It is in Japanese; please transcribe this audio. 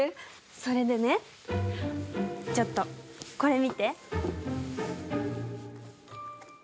それでねちょっとこれ見て。